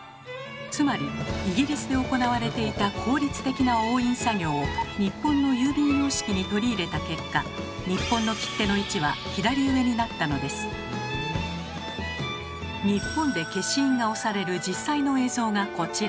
つまりイギリスで行われていた効率的な押印作業を日本の郵便様式に取り入れた結果日本で消印が押される実際の映像がこちら。